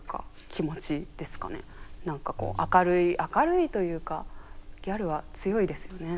何かこう明るいというかギャルは強いですよね。